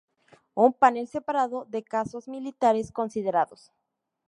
Un panel separado de casos militares considerados.